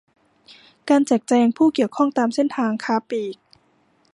การแจกแจงผู้เกี่ยวข้องตามเส้นทางค้าปลีก